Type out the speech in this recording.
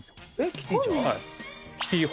キティちゃん？え！